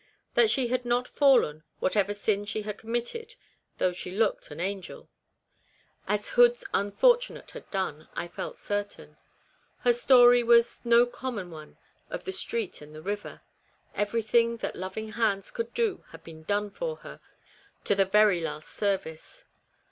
That she had not fallen, whatever sin she had committed (though she looked an angel), as Hood's unfortunate had done, I felt certain. Her story was no common one of the street and the river. Everything that loving hands could do had been done for her, to the very last service.